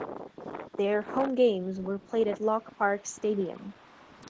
Their home games were played at Loch Park Stadium.